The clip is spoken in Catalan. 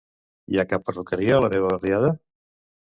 Hi ha cap perruqueria a la meva barriada?